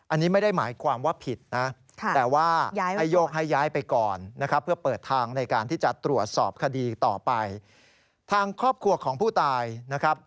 อันนี้ไม่ได้หมายความว่าผิดนะ